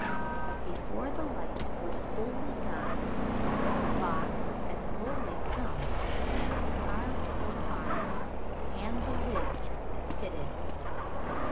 But before the light was wholly gone the box had wholly come with the carved coat of arms and the lid that fitted.